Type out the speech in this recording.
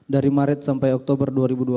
dari maret sampai oktober dua ribu dua puluh